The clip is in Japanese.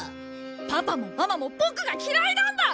パパもママもボクが嫌いなんだ！